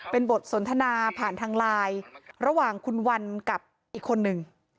เป็นบทสนทนาผ่านทางไลน์ระหว่างคุณวันกับอีกคนนึง